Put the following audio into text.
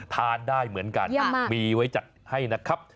ทานได้เหมือนกันมีไว้จัดให้นะครับ